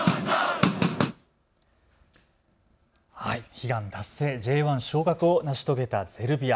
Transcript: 悲願達成、Ｊ１昇格を成し遂げたゼルビア。